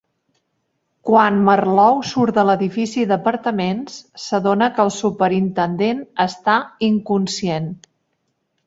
Quan Marlowe surt de l'edifici d'apartaments, s'adona que el superintendent està inconscient.